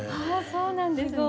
そうなんですね。